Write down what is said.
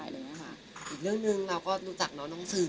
อีกเรื่องหนึ่งเราก็รู้จักเนาะน้องสื่อ